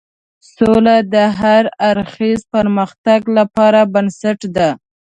سوله د هر اړخیز پرمختګ لپاره بنسټ ده.